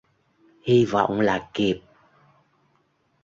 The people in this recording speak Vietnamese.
hi vọng là kịp